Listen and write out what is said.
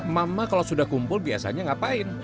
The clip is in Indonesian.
mama kalau sudah kumpul biasanya ngapain